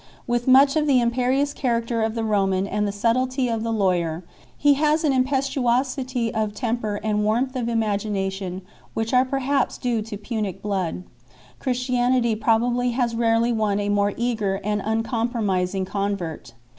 With much of the imperious character of the Roman and the subtlety of the lawyer, he has an impetuosity of temper and warmth of imagination which are perhaps due to Punic blood. Christianity probably has rarely won a more eager and uncompromising convert.